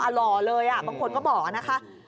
หล่อเลยบางคนก็บอกนะคะ